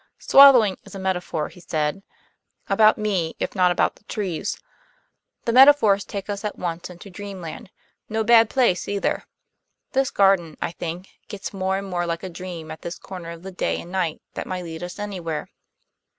"Swallowing is a metaphor," he said, "about me, if not about the trees. And metaphors take us at once into dreamland no bad place, either. This garden, I think, gets more and more like a dream at this corner of the day and night, that might lead us anywhere."